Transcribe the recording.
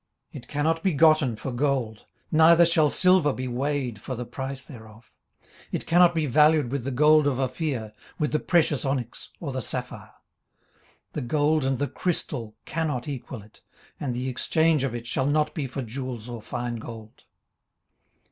18:028:015 It cannot be gotten for gold, neither shall silver be weighed for the price thereof. 18:028:016 It cannot be valued with the gold of Ophir, with the precious onyx, or the sapphire. 18:028:017 The gold and the crystal cannot equal it: and the exchange of it shall not be for jewels of fine gold.